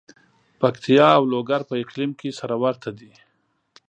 پکتیا او لوګر په اقلیم کې سره ورته دي.